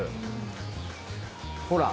ほら。